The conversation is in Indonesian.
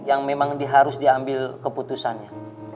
yang memang harus diambil keputusannya